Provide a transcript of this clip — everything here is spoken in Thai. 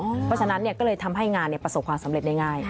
เพราะฉะนั้นก็เลยทำให้งานประสบความสำเร็จได้ง่าย